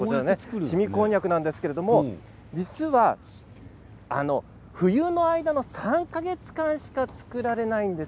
しみこんにゃくなんですけど実は冬の間の３か月間しか作られないんです。